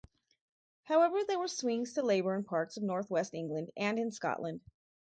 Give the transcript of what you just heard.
However there were swings to Labour in parts of north-west England, and in Scotland.